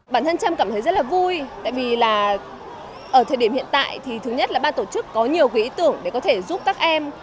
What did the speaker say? bản thân em cảm thấy rất là vui tại vì là ở thời điểm hiện tại thì thứ nhất là ban tổ chức có nhiều cái ý tưởng để có thể giúp các em